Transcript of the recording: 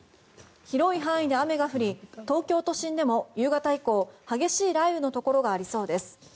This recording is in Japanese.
広い範囲で雨が降り東京都心でも夕方以降、激しい雷雨のところがありそうです。